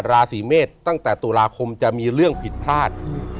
ราศีเมษตั้งแต่ตุลาคมจะมีเรื่องผิดพลาด